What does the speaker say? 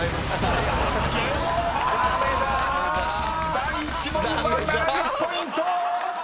［第１問は７０ポイント！］